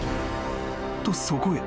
［とそこへ］